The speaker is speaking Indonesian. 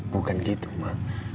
bukan gitu ma